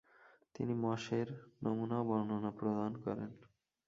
তিনি মসের নমুনা ও বর্ণনা প্রদান করেন।